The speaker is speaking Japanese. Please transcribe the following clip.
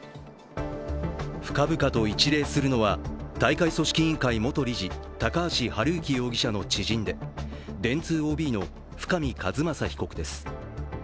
深々と一礼するのは大会組織委員会元理事高橋治之容疑者の知人で電通ＯＢの深見和政被告です。